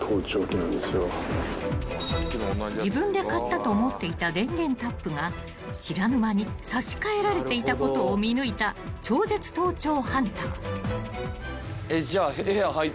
［自分で買ったと思っていた電源タップが知らぬ間に差し替えられていたことを見抜いた超絶盗聴ハンター］えっ？